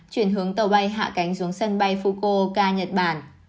chuyển hướng tàu bay hạ cánh xuống sân bay fukoka nhật bản